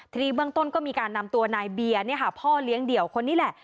ทีนี้เบื้องต้นก็มีการนำตัวนายเบียร์พ่อเลี้ยงเดี่ยวคนนี้แหละ